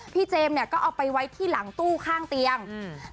เจมส์เนี้ยก็เอาไปไว้ที่หลังตู้ข้างเตียงอืม